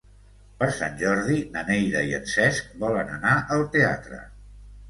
Per Sant Jordi na Neida i en Cesc volen anar al teatre.